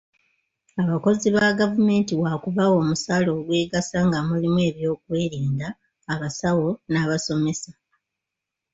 Abakozi ba gavumenti wakubawa omusaala ogwegasa nga mulimu ab'ebyokwerinda, abasawo n'abasomesa.